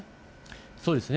そうですね。